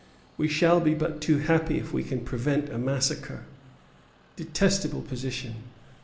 "We shall be but too happy if we can prevent a massacre. Detestable position!